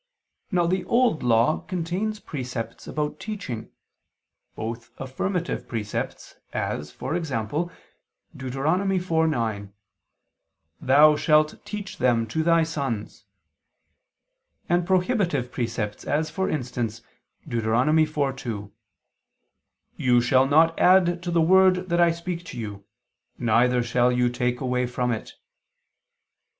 Now the Old Law contains precepts about teaching both affirmative precepts as, for example, (Deut. 4:9), "Thou shalt teach them to thy sons" and prohibitive precepts, as, for instance, (Deut. 4:2), "You shall not add to the word that I speak to you, neither shall you take away from it."